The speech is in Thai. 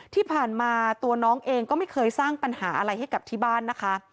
ที่ผ่านมาตัวน้องเองก็ไม่เคยสร้างปัญหาอะไรให้กับที่บ้านนะคะ